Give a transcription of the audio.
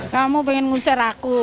kamu pengen ngusir aku